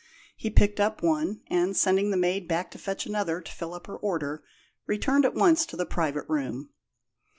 He picked up one, and, sending the maid back to fetch another to fill up her order, returned at once to the private room.